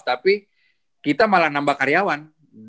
tapi kita malah nambah karyawan